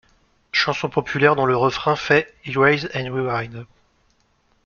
Chanson populaire dont le refrain fait «erase and rewind.